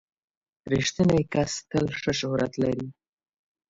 • رښتینی کس تل ښه شهرت لري.